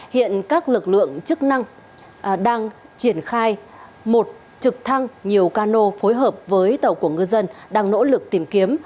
hiện các lực lượng chức năng đang triển khai một trực thăng nhiều cano phối hợp với tàu của ngư dân đang nỗ lực tìm kiếm